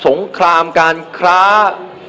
สงครามการคล้าระหว่างมหาอำนาจ